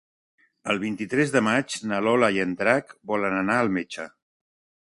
El vint-i-tres de maig na Lola i en Drac volen anar al metge.